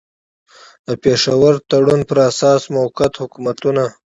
د پېښور تړون پر اساس موقت حکومتونه.